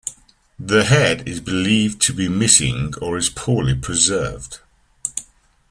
The head is believed to be missing or is poorly preserved.